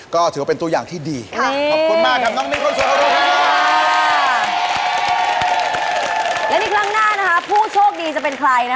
คุณเอากลับบ้านไปเลย